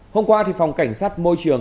hôm qua thì phòng cảnh sát môi trường